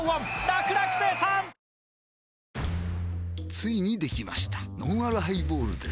ついにできましたのんあるハイボールです